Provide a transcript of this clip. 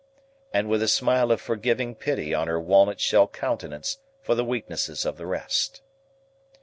and with a smile of forgiving pity on her walnut shell countenance for the weaknesses of the rest.